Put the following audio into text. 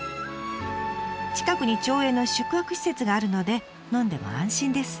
近くに町営の宿泊施設があるので飲んでも安心です。